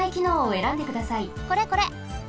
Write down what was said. これこれ！